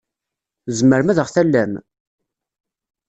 Tzemrem ad aɣ-tallem?